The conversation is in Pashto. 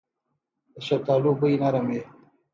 د شفتالو بوی نرم وي.